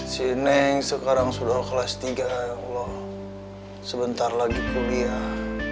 si neng sekarang sudah kelas tiga ya allah sebentar lagi kuliah